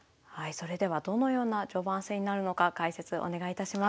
それではどのような序盤戦になるのか解説お願いいたします。